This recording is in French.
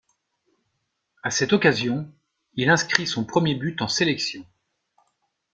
A cette occasion, il inscrit son premier but en sélection.